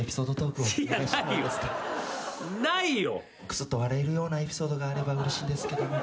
クスッと笑えるようなエピソードがあればうれしいんですけども。